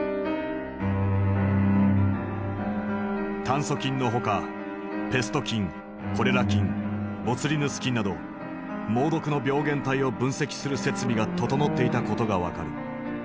炭疽菌のほかペスト菌コレラ菌ボツリヌス菌など猛毒の病原体を分析する設備が整っていたことが分かる。